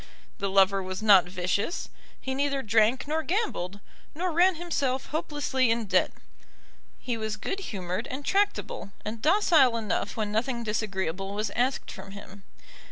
The lover was not vicious, he neither drank nor gambled, nor ran himself hopelessly in debt. He was good humoured and tractable, and docile enough when nothing disagreeable was asked from him.